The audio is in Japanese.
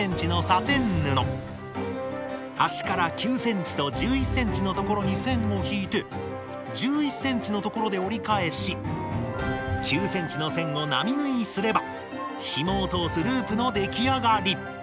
端から９ｃｍと１１ｃｍの所に線を引いて１１ｃｍの所で折り返し９ｃｍの線を並縫いすればひもを通すループの出来上がり。